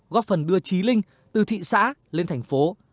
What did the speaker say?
góp phần đưa trí linh từ thị xã lên thành phố